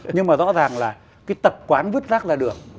nhưng mà rõ ràng là cái tập quán vứt rác ra đường